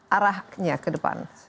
arahnya ke depan